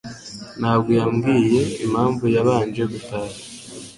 Ntabwo yambwiye impamvu yabanje gutaha